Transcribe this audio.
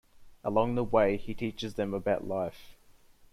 Along the way, he teaches them about life.